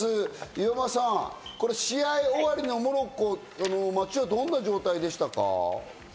岩間さん、試合終わりのモロッコ、どんな状態でしたか？